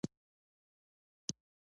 ښه بنډار مو ګرم کړی و.